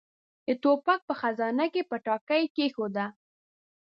د ټوپک په خزانه کې يې پټاکۍ کېښوده.